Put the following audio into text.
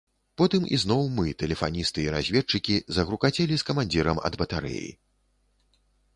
Потым ізноў мы, тэлефаністы і разведчыкі, загрукацелі з камандзірам ад батарэі.